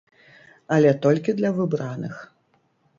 Але толькі для выбраных.